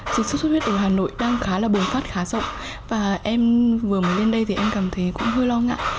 dịch sốt xuất huyết ở hà nội đang khá là bùng phát khá rộng và em vừa mới lên đây thì em cảm thấy cũng hơi lo ngại